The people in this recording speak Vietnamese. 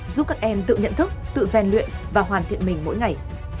giúp các em tự nhận thức tự gian luyện và hoàn thiện mình mỗi ngày